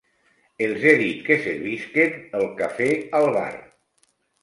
Els he dit que servisquen el café al bar.